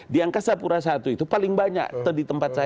di angkasa pura i itu paling banyak di tempat saya